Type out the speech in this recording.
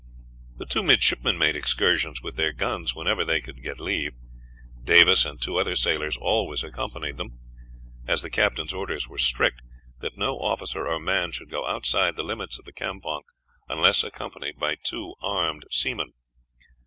The two midshipmen made excursions with their guns whenever they could get leave. Davis and two other sailors always accompanied them, as the captain's orders were strict that no officer or man should go outside the limits of the campong unless accompanied by two armed seamen.